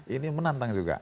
ini menantang juga